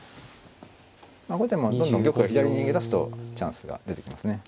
後手もどんどん玉が左に逃げ出すとチャンスが出てきますね。